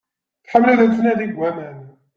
Tḥemmel ad tnadi deg aman.